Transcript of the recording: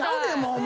お前。